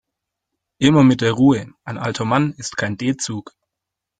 Immer mit der Ruhe, ein alter Mann ist kein D-Zug.